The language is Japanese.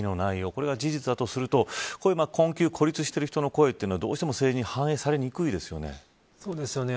これが事実だとすると、困窮孤立している人の声というのはどうしても政治に反映されにくいですよね。